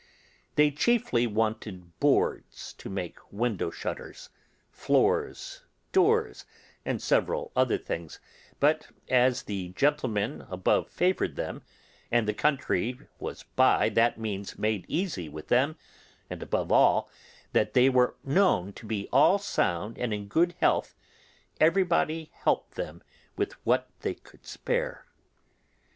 They chiefly wanted boards to make window shutters, floors, doors, and several other things; but as the gentlemen above favoured them, and the country was by that means made easy with them, and above all, that they were known to be all sound and in good health, everybody helped them with what they could spare.